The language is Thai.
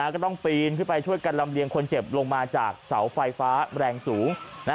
ก็ต้องปีนขึ้นไปช่วยกันลำเลียงคนเจ็บลงมาจากเสาไฟฟ้าแรงสูง